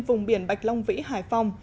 vùng biển bạch long vĩ hải phòng